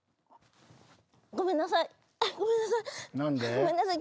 ごめんなさい。